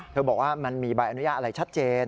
บอกว่ามันมีใบอนุญาตอะไรชัดเจน